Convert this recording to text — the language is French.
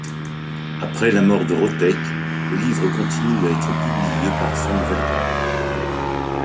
Après la mort de Rotteck, le livre continue à être publié par von Welcker.